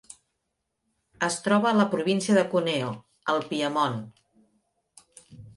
Es troba a la província de Cuneo, al Piemont.